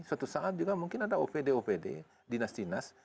suatu saat juga mungkin ada opd opd dinas dinas